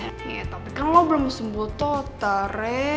iya tapi kan lo belum sembuh tuh tere